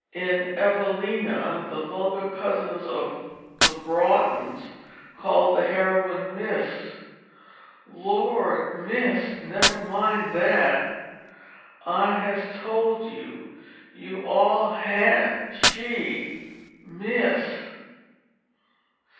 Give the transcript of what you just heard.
In Evelina the vulgar cousins, the Branghtons, call the heroine Miss. "Lord! Miss, never mind that!" "Aunt has told you all hant she, Miss?"